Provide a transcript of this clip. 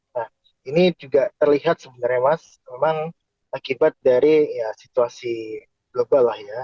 nah ini juga terlihat sebenarnya mas memang akibat dari situasi global lah ya